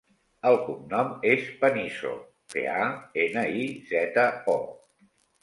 El cognom és Panizo: pe, a, ena, i, zeta, o.